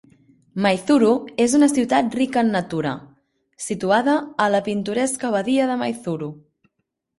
Maizuru és una ciutat rica en natura, situada a la pintoresca badia de Maizuru.